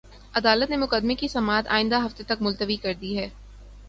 عدالت نے مقدمے کی سماعت آئندہ ہفتے تک ملتوی کر دی ہے